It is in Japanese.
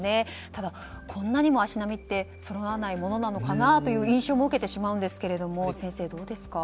ただ、こんなにも足並みってそろわないものなのかなという印象も受けてしまいますが先生、どうですか？